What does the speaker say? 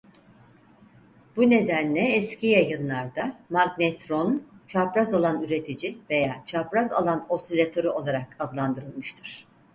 Bu nedenle eski yayınlarda magnetron "çapraz alan üreteci" veya "çapraz alan osilatörü" olarak adlandırılmıştır.